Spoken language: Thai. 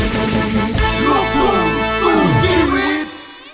ขอบคุณทุกคนทุกคนทุกชีวิต